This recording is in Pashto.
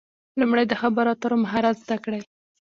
لومړی د خبرو اترو مهارت زده کړئ.